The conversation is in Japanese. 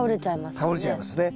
倒れちゃいますね。